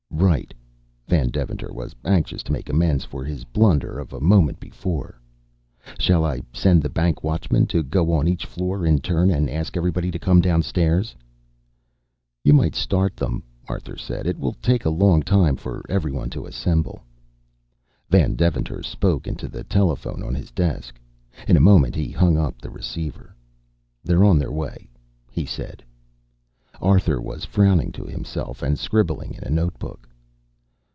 "Right." Van Deventer was anxious to make amends for his blunder of a moment before. "Shall I send the bank watchmen to go on each floor in turn and ask everybody to come down stairs?" "You might start them," Arthur said. "It will take a long time for every one to assemble." Van Deventer spoke into the telephone on his desk. In a moment he hung up the receiver. "They're on their way," he said. Arthur was frowning to himself and scribbling in a note book.